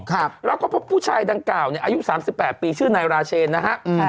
ครับแล้วก็พบผู้ชายดังกล่าวเนี่ยอายุสามสิบแปดปีชื่อนายราเชนนะฮะ